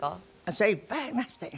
そりゃいっぱいありましたよ。